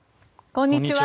こんにちは。